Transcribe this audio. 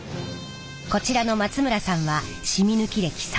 こちらの松村さんはしみ抜き歴３０年！